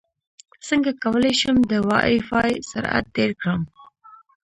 څنګه کولی شم د وائی فای سرعت ډېر کړم